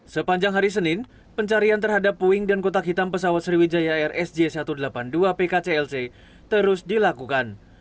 sepanjang hari senin pencarian terhadap puing dan kotak hitam pesawat sriwijaya rsj satu ratus delapan puluh dua pkclc terus dilakukan